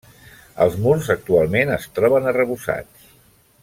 Els murs, actualment, es troben arrebossats.